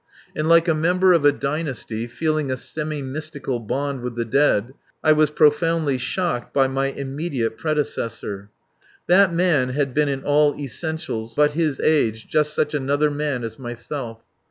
And like a member of a dynasty, feeling a semimystical bond with the dead, I was profoundly shocked by my immediate predecessor. That man had been in all essentials but his age just such another man as myself.